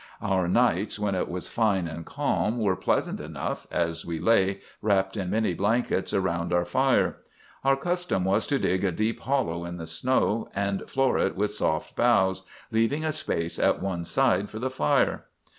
"Our nights, when it was fine and calm, were pleasant enough, as we lay, wrapt in many blankets, around our fire. Our custom was to dig a deep hollow in the snow, and floor it with soft boughs, leaving a space at one side for the fire.